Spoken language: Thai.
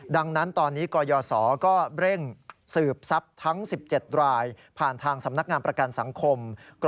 ดังนั้นตอนนี้กยศก็เร่งสืบทรัพย์ทั้ง๑๗รายผ่านทางสำนักงานประกันสังคม